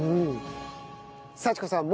幸子さん